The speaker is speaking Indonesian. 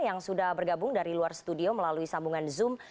yang sudah bergabung dari luar studio melalui sambungan zoom